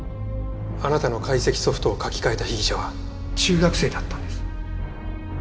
あなたの解析ソフトを書き換えた被疑者は中学生だったんです。